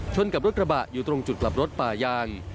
กับรถกระบะอยู่ตรงจุดกลับรถป่ายาง